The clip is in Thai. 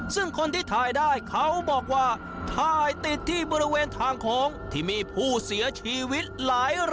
ซึ่งคนที่ถ่ายได้เขาบอกว่าถ่ายติดที่บริเวณทางโค้งที่มีผู้เสียชีวิตหลายราย